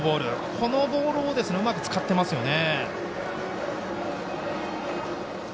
このボールをうまく使ってますね。